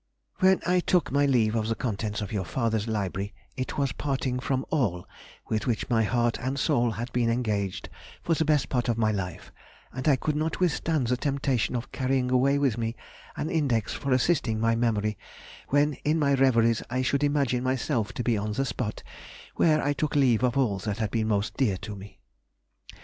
When I took my leave of the contents of your father's library, it was parting from all with which my heart and soul had been engaged for the best part of my life, and I could not withstand the temptation of carrying away with me an index for assisting my memory when in my reveries I should imagine myself to be on the spot where I took leave of all that had been most dear to me.